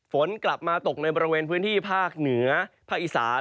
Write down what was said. ฝนกลับมาตกในบริเวณพื้นที่ภาคเหนือภาคอีสาน